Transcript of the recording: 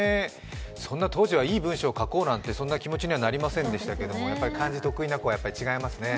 そんな当時は、いい文章を書こうなんて気持ちにはなりませんでしたけど漢字、得意な子は違いますね。